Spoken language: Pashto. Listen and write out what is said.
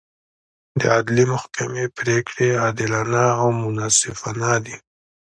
د عدلي محکمې پرېکړې عادلانه او منصفانه دي.